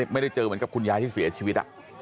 ไม่ได้เจอเหมือนกับคุณยายที่เสียชีวิต